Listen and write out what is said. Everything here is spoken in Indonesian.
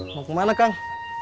mau kemana kang